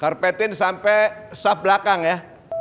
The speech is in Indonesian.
karpetin sampe saf belakang ya